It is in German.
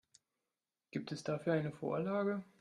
Gibt es dafür eine Vorlage?